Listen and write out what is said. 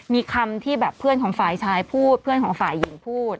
มีคำที่แบบเพื่อนของฝ่ายชายพูดเพื่อนของฝ่ายหญิงพูด